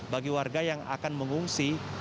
bagi warga yang akan mengungsi